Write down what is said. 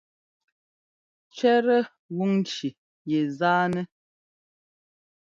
Cʉɛtɛ́ gún ŋci yɛ zánɛ́.